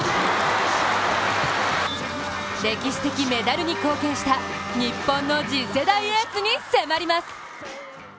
歴史的メダルに貢献した日本の次世代エースに迫ります。